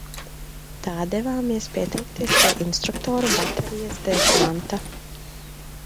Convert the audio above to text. Tā devāmies pieteikties pie instruktoru baterijas dežuranta.